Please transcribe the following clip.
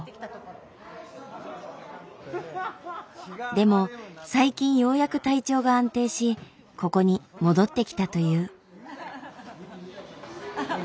でも最近ようやく体調が安定しここに戻ってきたという。